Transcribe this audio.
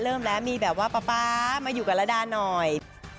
เริ่มแล้วมีแบบว่าป๊าป๊ามาอยู่กับระดาหน่อย